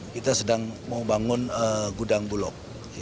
kita sedang mau bangun gudang bulog